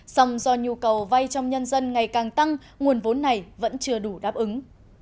song do nhu cầu vay trong nhân dân ngày càng tăng nguồn vốn này vẫn chưa đủ đáp ứng